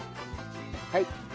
はい。